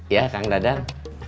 ya kang dadang